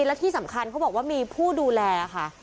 และที่สำคัญเขาบอกว่ามีผู้ดูแลค่ะ